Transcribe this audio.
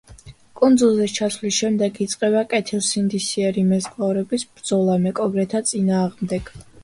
კუნძულზე ჩასვლის შემდეგ იწყება კეთილსინდისიერი მეზღვაურების ბრძოლა მეკობრეთა წინააღმდეგ.